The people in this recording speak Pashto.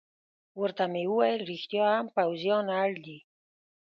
ورته مې وویل: رښتیا هم، پوځیان اړ دي.